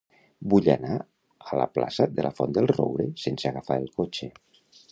Vull anar a la plaça de la Font del Roure sense agafar el cotxe.